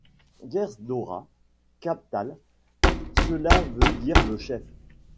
Gaïzdorra, captal, cela veut dire le chef.